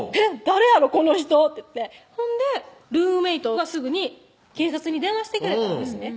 誰やろこの人」って言ってほんでルームメートがすぐに警察に電話してくれたんですね